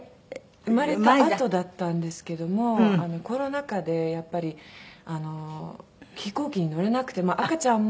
生まれたあとだったんですけどもコロナ禍でやっぱり飛行機に乗れなくて赤ちゃんも。